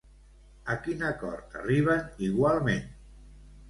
A quin acord arriben, igualment?